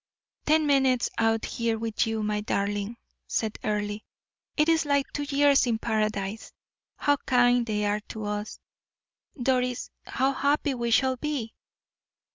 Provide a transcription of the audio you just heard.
"Ten minutes out here with you, my darling," said Earle; "it is like two years in paradise. How kind they are to us, Doris; how happy we shall be!"